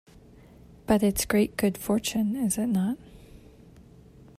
But it's great good fortune, is it not?